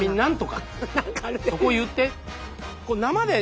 そこ言って。